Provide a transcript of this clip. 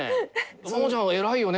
まもちゃんは偉いよね